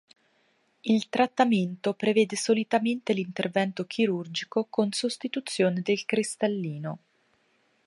Il trattamento prevede solitamente l'intervento chirurgico con sostituzione del cristallino.